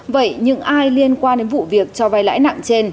vậy những ai liên quan đến vụ việc cho vay lãi nặng trên